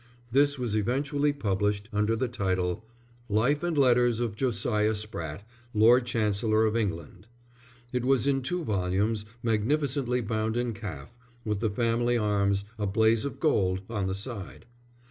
This was eventually published under the title: Life and Letters of Josiah Spratte, Lord Chancellor of England. It was in two volumes, magnificently bound in calf, with the family arms, a blaze of gold, on the side.